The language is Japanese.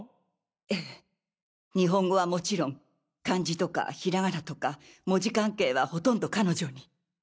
ええ日本語はもちろん漢字とかひらがなとか文字関係はほとんど彼女に。